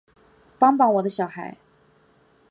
帮帮我的小孩